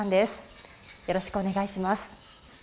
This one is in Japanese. よろしくお願いします。